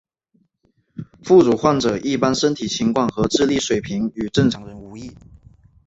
副乳患者一般身体情况和智力水平与正常人无异。